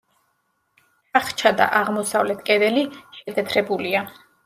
თახჩა და აღმოსავლეთ კედელი შეთეთრებულია.